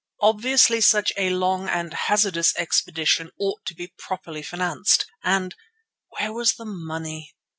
Obviously such a long and hazardous expedition ought to be properly financed and—where was the money?